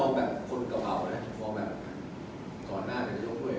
วงแบบคนกระเป๋าล่ะวงแบบก่อนหน้าจะยกด้วย